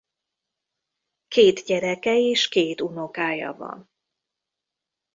Két gyereke és két unokája van.